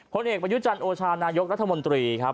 ผลเอกประยุจันทร์โอชานายกรัฐมนตรีครับ